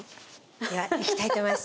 ではいきたいと思います。